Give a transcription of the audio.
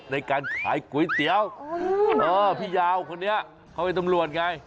ในการขายก๋วยเตี๋ยวพี่ยาวคนนี้เขาเป็นตำรวจไง